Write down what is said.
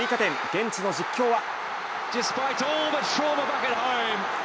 現地の実況は。